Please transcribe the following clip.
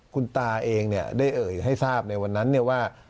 คุณตาเองได้เอ่ยให้ทราบในวันนั้นว่า